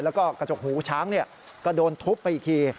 แล้วก็กระจกหูช้างก็โดนทุบไปอีกที